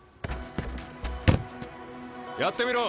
やってみろ。